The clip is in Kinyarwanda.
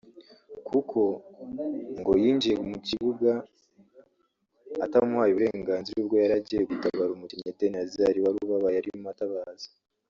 kuko ngo yinjiye mu kibuga atamuhaye uburenganzira ubwo yari agiye gutabara umukinnyi Eden Hazard wari ubabaye arimo atabaza